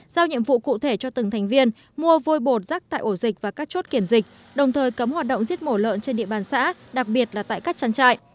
giao nhiệm vụ cụ thể cho từng thành viên mua vôi bột rắc tại ổ dịch và các chốt kiểm dịch đồng thời cấm hoạt động giết mổ lợn trên địa bàn xã đặc biệt là tại các trang trại